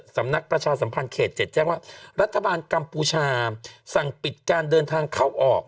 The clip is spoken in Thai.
สำนักประชาสัมพันธ์เขต๗แจ้งว่ารัฐบาลกัมพูชาสั่งปิดการเดินทางเข้าออก